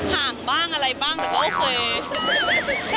ห่างบ้างอะไรบ้างแต่ก็โอเค